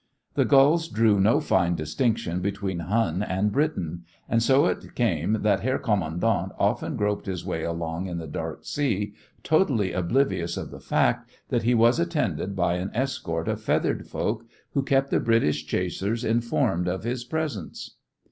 The gulls drew no fine distinction between Hun and Briton, and so it came that Herr Kommandant often groped his way along in the dark sea, totally oblivious of the fact that he was attended by an escort of feathered folk who kept the British chasers informed of his presence.